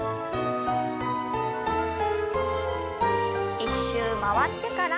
１周回ってから。